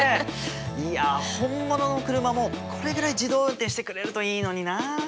いや本物の車もこれぐらい自動運転してくれるといいのになあ。